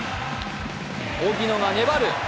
荻野が粘る。